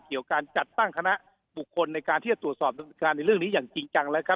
เกี่ยวการจัดตั้งคณะบุคคลในการที่จะตรวจสอบดำเนินการในเรื่องนี้อย่างจริงจังแล้วครับ